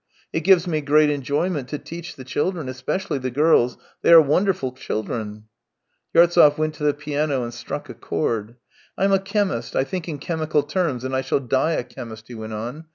It gives me great enjoyment to teach the children, especially the girls. They are wonderful children !" Yartsev went to the piano and struck a chord. "I'm a chemist, I think in chemical terms, and I shall die a chemist," he went on.